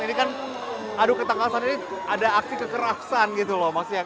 ini kan adu ketangkasan ini ada aksi kekerasan gitu loh maksudnya